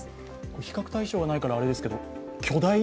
比較対象がないからあれですけれども。